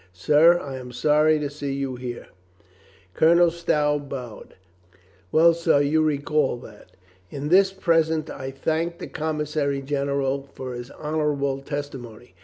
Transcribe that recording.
"Sir, I am sorry to see you here." 428 COLONEL GREATHEART Colonel Stow bowed. "Well, sir, you recall that. In this present I thank the commissary general for his honorable testimony.